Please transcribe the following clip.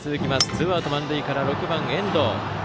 ツーアウト満塁から６番の遠藤。